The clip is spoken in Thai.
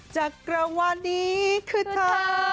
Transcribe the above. จักรวรรดิคือเธอ